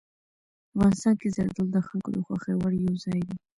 افغانستان کې زردالو د خلکو د خوښې وړ یو ځای دی.